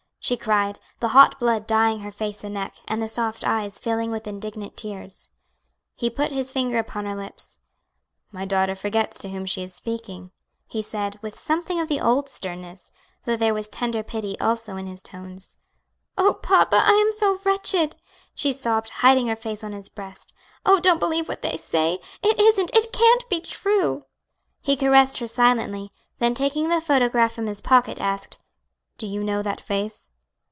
she cried, the hot blood dyeing her face and neck, and the soft eyes filling with indignant tears. He put his finger upon her lips. "My daughter forgets to whom she is speaking," he said with something of the old sternness, though there was tender pity also in his tones. "Oh, papa, I am so wretched!" she sobbed, hiding her face on his breast. "Oh, don't believe what they say; it isn't, it can't be true." He caressed her silently, then taking the photograph from his pocket, asked, "Do you know that face?"